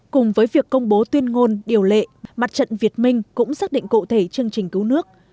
cùng với việc công bố tuyên ngôn điều lệ mặt trận việt minh cũng xác định cụ thể chương trình cứu nước